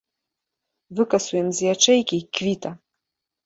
Выкасуем з ячэйкі, й квіта!